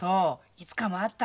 いつかもあった。